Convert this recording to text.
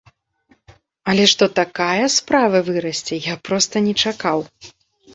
Але што такая справа вырасце, я проста не чакаў.